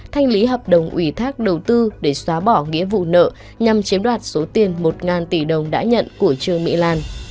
thanh lý hợp đồng ủy thác đầu tư để xóa bỏ nghĩa vụ nợ nhằm chiếm đoạt số tiền một tỷ đồng đã nhận của trương mỹ lan